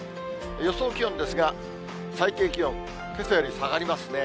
予想気温ですが、最低気温、けさより下がりますね。